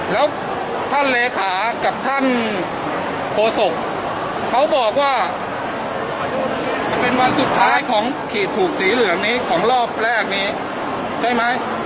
แล้วท่านเลขากับท่านโฆษกเขาบอกว่ามันเป็นวันสุดท้ายของขีดถูกสีเหลืองนี้ของรอบแรกนี้ใช่ไหม